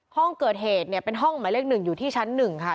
ห้องเกิดเหตุเนี่ยเป็นห้องหมายเลข๑อยู่ที่ชั้น๑ค่ะ